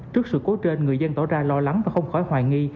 trước sự cố trên người dân tỏ ra lo lắng và không khỏi hoài nghi